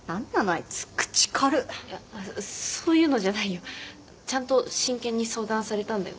あいつ口軽っいやそういうのじゃないよちゃんと真剣に相談されたんだよ